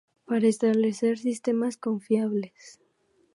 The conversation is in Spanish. Para establecer sistemas confiables